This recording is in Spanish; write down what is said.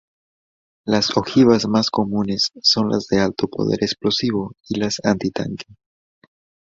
Las ojivas más comunes son las de alto poder explosivo y las antitanque.